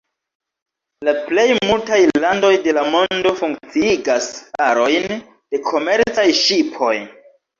La plej multaj landoj de la mondo funkciigas arojn de komercaj ŝipoj.